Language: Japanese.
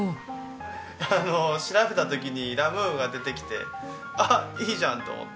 あの調べた時にラ・ムーが出てきてあっいいじゃんと思って。